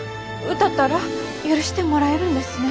歌ったら許してもらえるんですね。